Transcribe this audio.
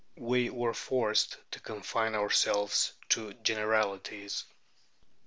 We were forced to confine ourselves to generalities.